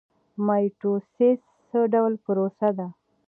مایټوسیس څه ډول پروسه ده؟